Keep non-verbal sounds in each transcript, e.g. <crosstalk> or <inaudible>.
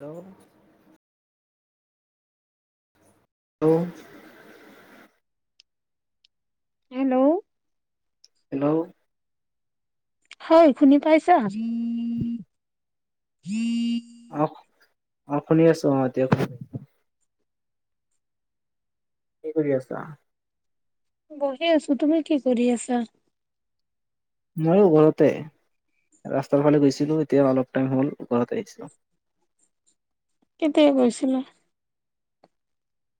Hello? Hello? Hello? Hello? হয়, শুনি পাইছা? অ', অ', শুনি আছো আহ, এতিয়া শু কি কৰি আছা? বহি আছো, তুমি কি কৰি আছা? মইও ঘৰতে, ৰাস্তাৰ ফালে গৈছিলো এতিয়া অলপ টাইম হ'ল ঘৰত আহিছো। কেতিয়া গৈছিলা?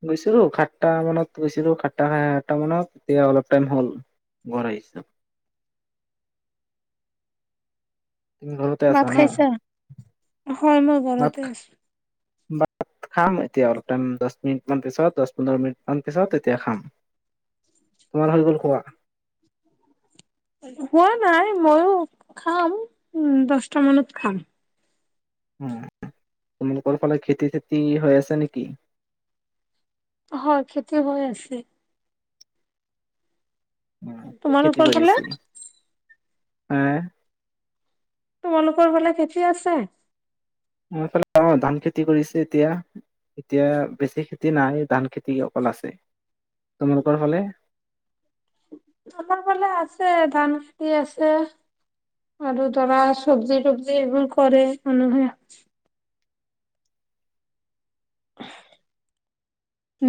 গৈছিলো সাতটা মানত গৈছিলো সাতটা আঠটা মানত এতিয়া অলপ টাইম হ'ল। ঘৰ আহিছোঁ। ঘৰতে ভাত আছা ন' খাইছা? হয় মই ঘৰতে ভাত আছো। ভাত খাম এতিয়া অলপ টাইম দহ মিনিট মান পিছত দহ পোন্ধৰ মিনিট মান পিছত, তেতিয়া খাম। তোমাৰ হৈ গ'ল খোৱা? <unintelligible> হোৱা নাই ময়ো খাম, উম, দছটা মানত খাম। উম, তোমালোকৰ ফালে খেতি-চেতি হৈ আছে নেকি? হয়, খেতি হৈ আছে। উম, কি খেতি তোমালোকৰ কৰি ফালে? আছে? আ? তোমালোকৰ ফালে খেতি আছে? অ' এই ফালে ধান খেতি কৰিছে এতিয়া। এতিয়া বেছি খেতি নাই, ধান খেতি অকল আছে, তোমালোকৰ ফালে? আমাৰ ফালে আছে, ধান খেতি আছে। আৰু ধৰা চবজি টবজি এইবোৰ কৰে মানুহে।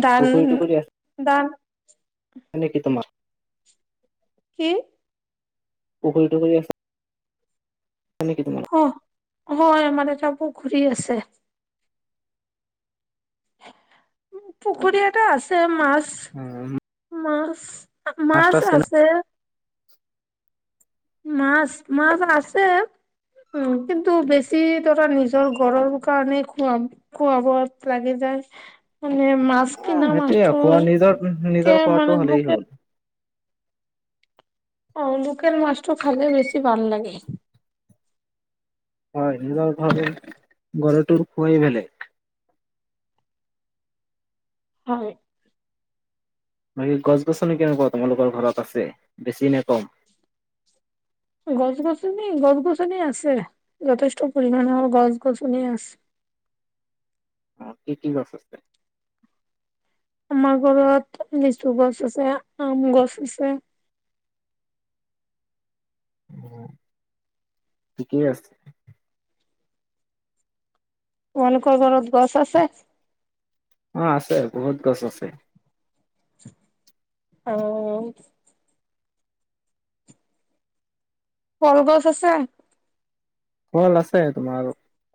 ধান পুখুৰী টুকুৰী ধান আছে নেকি তোমাৰ? কি? পুখুৰী টুখুৰী আছে আছে নেকি তোমাৰ? অ' হয়, আমাৰ এটা পুখুৰী আছে। উম, পুখুৰী এটা আছে মাছ উম। মাছ, মাছ তাছ কেনে আছে মাছ, মাছ আছে উম, কিন্তু বেছি ধৰা নিজৰ গৰৰ কাৰণেই খুৱাম। খোৱা বোৱাত লাগি যায়। মানে মাছ অ', কিনা সেইটোয়ে খোৱা মাষ্টৰ নিজৰ নিজৰ কে খোৱাটো মানে হ'লেই বুকে হ'ল। অ' লোকেল মাছটো খালে বেছি ভাল লাগে। হয়, নিজৰ ঘৰে গৰৰটো খোৱাই বেলেগ। হয়। বাকী গছ গছনি কেনেকুৱা তোমালোকৰ ঘৰত আছে, বেছি নে কম? গছ গছনি গছ গছনি আছে, যথেষ্ট পৰিমানৰ গছ গছনি আছে। অ' কি কি গছ আছে? আমাৰ ঘৰত লিচু গছ আছে, আম গছ আছে। অ', ঠিকেই আছে। তোলোকৰ ঘৰত গছ আছে? অ' আছে, বহুত গছ আছে। অ'। কলগছ আছে? কল আছে, তোমাৰ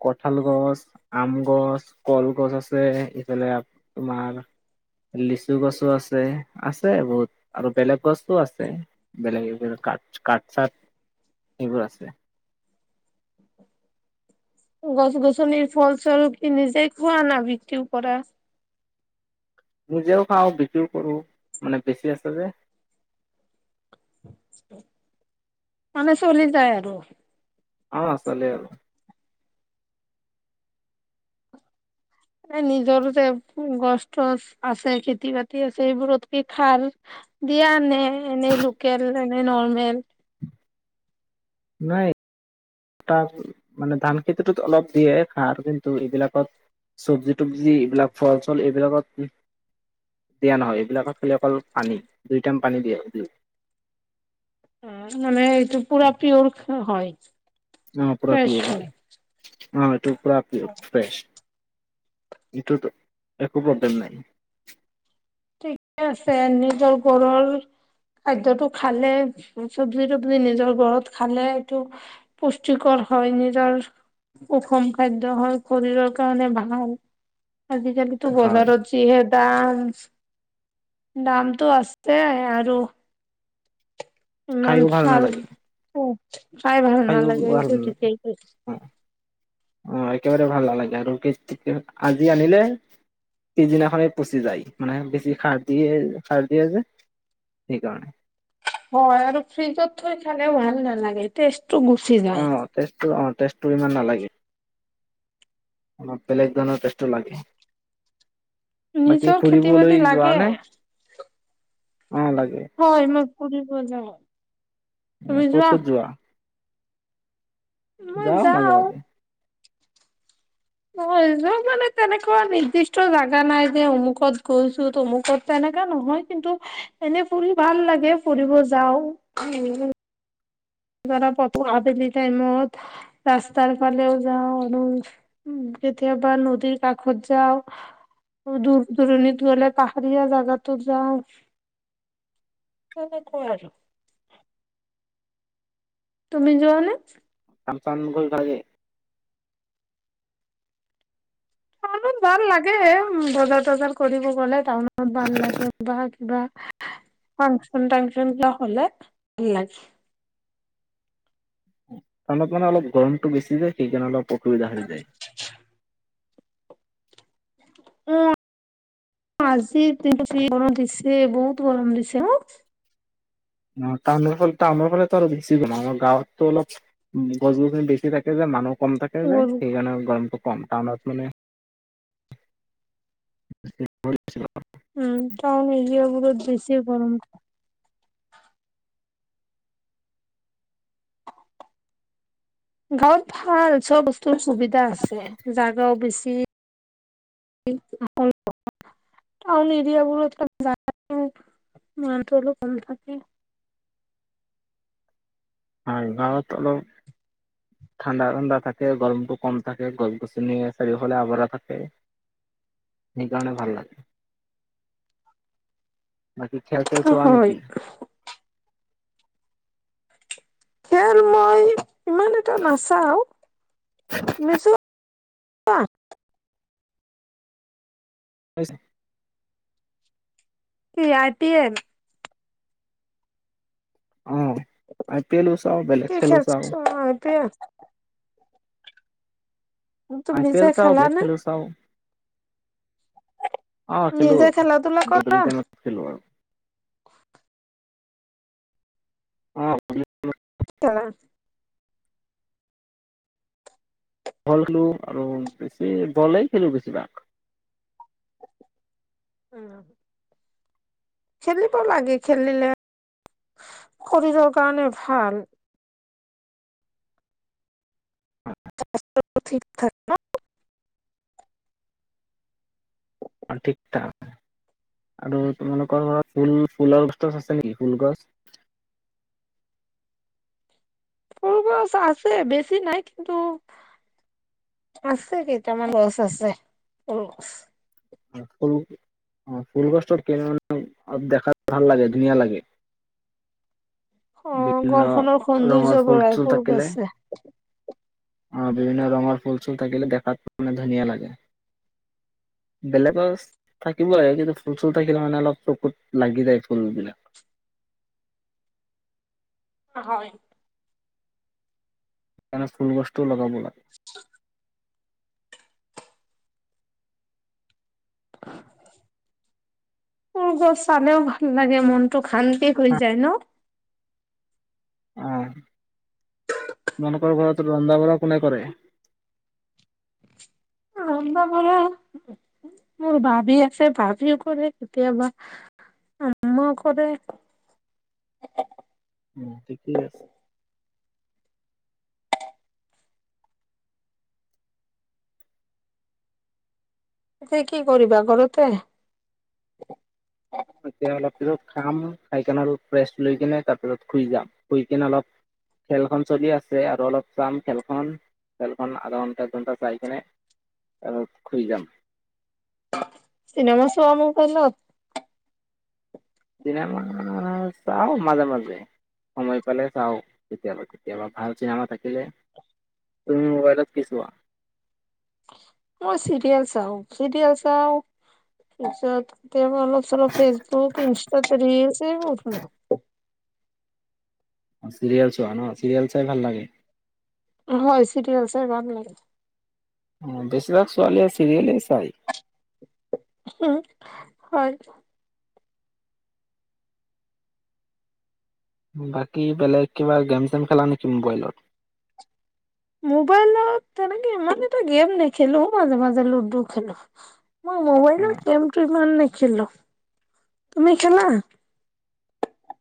কঁঠাল গছ, আম গছ, কলগছ আছে, ইফালে আ তোমাৰ লিচু গছো ‍আছে, আছে আৰু বহুত আৰু বেলেগ গছো আছে। বেলেগ এইবিলাক কাঠ কাঠ চাট, এইবোৰ আছে। গছ গছনিৰ ফলস্বৰূপ কি নিজে খোৱা না বিক্ৰীও কৰা? নিজেও খাওঁ বিক্ৰীও কৰোঁ, মানে বেছি আছে যে। মানে চলি যায় আৰু। অ' চলে আৰু। নিজৰ যে গছ টচ আছে, খেতি বাতি আছে, এইবোৰত তুমি খাৰ দিয়ানে এনেই লোকেল এনে নৰ্মেল। নাই মানে ধান খেতিটোত অলপ দিয়ে সাৰ কিন্তু এইবিলাকত চবজি তবজি এইবিলাক ফল চল এইবিলাকত দিয়া নহয়, এইবিলাকত খালী অকল পানী দুই টাইম পানী দিয়ে <unintelligible> মানে এইটো পুৰা পিয়ৰ হয়। অ', পুৰা পিয়ৰ হয়, অ', এইটো পুৰা পিয়ৰ ফ্ৰেচ এইটোতো একো প্ৰব্লেম নাই। ঠিকে আছে নিজৰ ঘৰৰ খাদ্যটো খালে চবজি তবজি নিজৰ ঘৰত খালে এইটো পুষ্টিকৰ হয়, নিজৰ সুষম খাদ্য হয়, শৰীৰৰ কাৰণে ভাল আজিকালি হয় বজাৰত যিহে দাম, দামটো আছে আৰু ইমান খাইও ভাল নালাগে খাই ভাল খাইও নালাগে এই ভাল নালাগে <unintelligible> অ', একেবাৰে ভাল নালাগে আৰু <inaudible> আজি আনিলে পিছদিনাখনেই পচি যায় মানে বেছি সাৰ দিয়ে সাৰ দিয়ে যে সেইকাৰণে। হয়, আৰু ফ্ৰিজত থৈ খালে ভাল নালাগে টেষ্টটো গুচি যায়। অ', টেষ্টটো অ', টেষ্টটো ইমান নালাগে। অলপ বেলেগ ধৰণৰ টেষ্টটো লাগে বাকী নিজৰ খেতি বাতি ফুৰিবলৈ লাগে যোৱানে? অ', লাগে। হয়, মই ফুৰিব যাওঁ। উম, ক'ত ক'ত যোৱা? যাওঁ মাজে মাজে। মই যে, মানে তেনেকুৱা নিৰ্দিষ্ট জাগা নাই যে, অমুকত গৈছোঁ তমুকত তেনেকা নহয়। কিন্তু এনে ফুৰি ভাল লাগে ফুৰিব যাওঁ <unintelligible> জৰা পাপু আবেলি টাইমত ৰাস্তাৰ ফালেও যাওঁ আৰু উম, কেতিয়াবা নদীৰ কাষত যাওঁ। দূৰ দূৰণিত গ'লে পাহাৰীয়া জাগাতো যাওঁ। তেনেকৈ আৰু। তুমি যোৱানে? কাম চাম নকৰিবা <unintelligible> আৰু ভাল লাগে বজাৰ তজাৰ কৰিব গ'লে টাউনত ভাল লাগে বা কিবা। ফাংচন টাংচন কিবা হ'লে ভাল লাগে। নত মান অলপ গৰমটো বেছি যায় সেইকাৰণে অলপ অসুবিধা হৈ যায়। <inaudible> <unintelligible> আজিৰ দিনটো গৰম দিছে বহুত গৰম দিছে ন? অ', টাউনৰ ফালে টাউনৰ ফালেতো আৰু বেছি গৰম আমাৰ গাঁৱতো অলপ গছ গছনি বেছি থাকে যে, মানুহ কম থাকে যে, উম সেইকাৰণে গৰমটো কম টাউনত মানে <unintelligible> উম, টাউন এৰিয়াবোৰত বেছিয়ে গৰম। গাঁৱত ভাল চব বস্তুৰে সুবিধা আছে জাগাও বেছি। <unintelligible> টাউন এৰিয়াবোৰত জাগা <unintelligible> কম থাকে। হয়, গাওঁত অলপ ঠাণ্ডা ঠাণ্ডা থাকে গৰমটো কম থাকে গছ গছনি ন চাৰিওফালে আৱৰা থাকে সেইকাৰণে ভাল লাগে বাকী খেল চেল চোৱা হয় নেকি খেল মই সিমান এটা নাচাওঁ নিজৰ হৈছে কি আই পি এল অ আই পি এলও চাওঁ বেলেগ খেলো চাওঁ অ আই পি এল তুমি আই পি নিজে এল চাওঁ খেলা বেলেক নে খেলো চাওঁ অ খেলো নিজে খেলা ধূলা কৰা গধূলি টাইমত খেলো আৰু অ খেলো <inaudible> বল খেলোঁ আৰু বেছি বলেই খেলোঁ বেছিভাগ উম খেলিব লাগে খেলিলে শৰীৰৰ কাৰণে ভাল স্বাস্থ্যটো ঠিক থাকে ন <unintelligible> আৰু তোমালোকৰ ঘৰত ফুল ফুলৰ গছ চছ আছে নেকি ফুল গছ ফুল গছ আছে বেছি নাই কিন্তু আছে কেইটামান গছ আছে ফুল অ ফুল গছ ত মানে দেখাত ভাল লাগে ধুনীয়া লাগে অ বিভিন্ন ঘৰখনৰ সৌন্দৰ্য ৰঙৰ ফুল বঢ়াই চুল সৰু থাকিলে গছে অ বিভিন্ন ৰঙৰ ফুল চুল থাকিলে দেখাত মানে ধুনীয়া লাগে বেলেগ গছ থাকিব লাগে কিন্তু ফুল চুল থাকিলে মানে অলপ চকুত লাগি যায় ফুল বিলাক হয় সেইকাৰণে ফুল গছটো লগাব লাগে <unintelligible> ফুল গছ চালেও ভাল লাগে মন টো শান্তি হৈ যায় ন অ তোমালোকৰ ঘৰত ৰন্ধা বঢ়া কোনে কৰে ৰন্ধা বঢ়া মোৰ ভাবি আছে ভাবিও কৰে কেতিয়াবা আম্মাও কৰে উম ঠিকেই আছে এতিয়া কি কৰিবা ঘৰতে এতিয়া অলপ পিছত খাম খাই কিনে অলপ ৰেষ্ট লৈ কিনে তাৰপিছত শুই যাম শুই কিনে অলপ খেলখন চলি আছে আৰু অলপ চাম খেলখন খেল খন আধা ঘণ্টা এক ঘণ্টা চাই কেনে শুই যাম চিনেমা চোৱা মবাইলত চিনেমা চাওঁ মাজে মাজে সময় পালে চাওঁ কেতিয়াবা কেতিয়াবা ভাল চিনেমা থাকিলে তুমি মবাইলত কি চোৱা মই চিৰিয়েল চাওঁ চিৰিয়েল চাওঁ তাৰপিছত কেতিয়াবা অলপ চলপ ফেচবুক ইনষ্টাত ৰিল চিল <unintelligible> অ চিৰিয়েল চোৱা ন চিৰিয়েল চাই ভাল লাগে হয় চিৰিয়েল চাই ভাল লাগে। উম বেছিভাগ ছোৱালীয়ে ছিৰিয়েলে চায়। উম হয়। বাকী বেলেগ কিবা গেম চেম খেলা নেকি মোবাইলত? মোবাইলত তেনেকে ইমান এটা গেম নেখেলো, মাজে মাজে লুডু খেলো। মই অ মোবাইলত গেমটো ইমান নেখেলো, তুমি খেলা?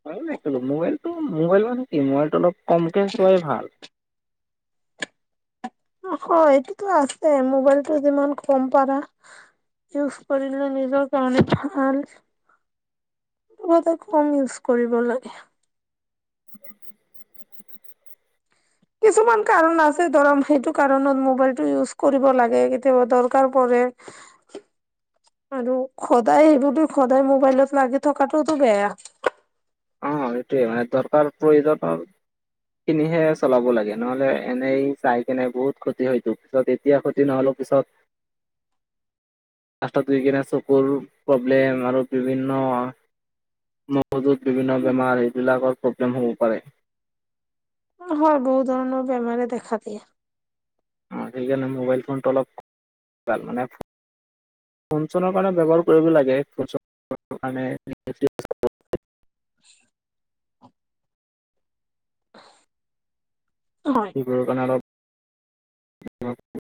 মইও নেখেলো মোবাইলটো মোবাইল মানে কি মোবাইলটো অলপ কমকে চোৱাই ভাল। অঁ হয় এইটোতো আছে মোবাইলটো যিমান কম পাৰা ইউজ কৰিলে নিজৰ কাৰণে ভাল। মুঠতে কম ইউজ কৰিব লাগে। <inaudible> কিছুমান কাৰণ আছে ধৰম সেইটো কাৰণত মোবাইলটো ইউজ কৰিব লাগে, কেতিয়াবা দৰকাৰ পৰে। <inaudible> আৰু সদাই এইবোৰতোত সদাই মোবাইলত লাগি থকাটোতো বেয়া। অ এইটোৱে হয় দৰকাৰ প্ৰয়োজনত কিনিহে চলাব লাগে নহলে এনেই চাইকেনে‌ বহুত ক্ষতি হয়তো <inaudible> এতিয়া ক্ষতি নহ'লেও পিছত লাস্তত গৈ কিনে চকুৰ প্ৰব্লেম আৰু বিভিন্ন মগজুত বিভিন্ন বেমাৰ এইবিলাকৰ প্ৰব্লেম হ'ব পাৰে। অঁ হয় বহু ধৰণৰ বেমাৰে দেখা দিয়ে। অঁ সেইকাৰে মোবাইল ফোনটো অলপ, ভাল মানে ফোন চোনৰ কাৰণে ব্যৱহাৰ কৰিব লাগে <unintelligible> <inaudible> <unintelligible> বোৰৰ কাৰণে অলপ <unintelligible>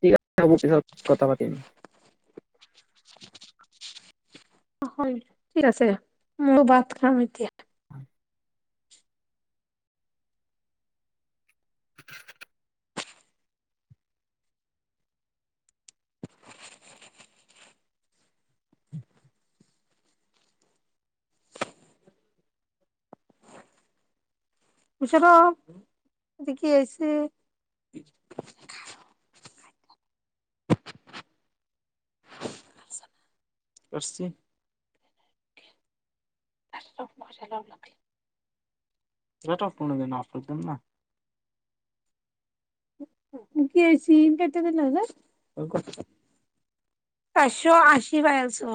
ঠিক আছে হব পিছত কথা পাতিম। অ হয় ঠিক আছে, ময়ো ভাত খাম এতিয়া। <unintelligible> <unintelligible> কি আহছে ৰচি। <inaudible> <unintelligible> <unintelligible> <unintelligible> আশি পাই আছো।